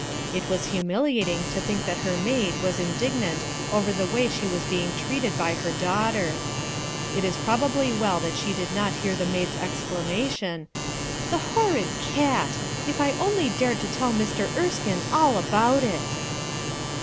It was humili ating to think that her maid was indignant over the way she was being treated by her daughter. It is probably well that she did not hear the maid's exclamation: — "The horrid cat! If I only dared tell Mr. Erskine all about it!"